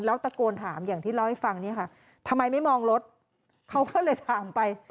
แล้วตะโกนถามอย่างที่เล่าให้ฟังเนี่ยค่ะทำไมไม่มองรถเขาก็เลยถามไป